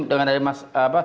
dengan dari mas